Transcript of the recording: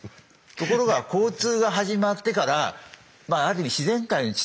ところが交通が始まってからまあある意味自然界の秩序が乱れた。